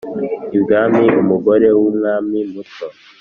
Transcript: Ibwami umugore wumwami muto